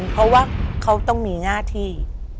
เพราะว่าเขาต้องมีหน้าที่